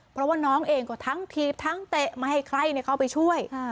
เพราะว่าน้องเองก็ทั้งถีบทั้งเตะไม่ให้ใครเข้าไปช่วย